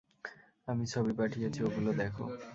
আমি ছবি পাঠিয়েছি, ওগুলো দেখো।